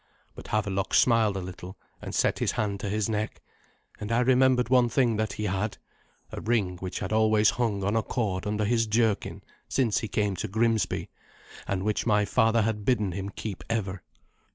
But Havelok smiled a little, and set his hand to his neck, and I remembered one thing that he had a ring which had always hung on a cord under his jerkin since he came to Grimsby, and which my father had bidden him keep ever.